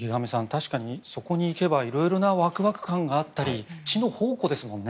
確かにそこに行けば色々なワクワク感があったり知の宝庫ですもんね。